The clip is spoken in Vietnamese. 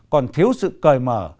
còn thiếu sự cởi mở